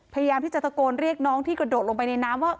พยายามที่จะตะโกนเรียกน้องที่กระโดดลงไปในน้ำว่า